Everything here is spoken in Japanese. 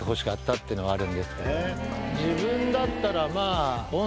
自分だったらまぁ。